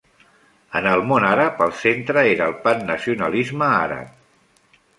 En el món àrab, el centre era el pannacionalisme àrab.